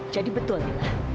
jadi betul lila